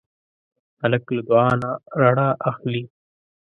هلک له دعا نه رڼا اخلي.